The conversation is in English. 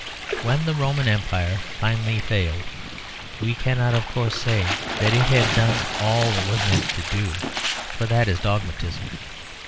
When the Roman Empire finally failed we cannot of course say that it had done all it was meant to do, for that is dogmatism.